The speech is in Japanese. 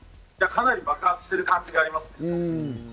かなり爆発してる感じありますね。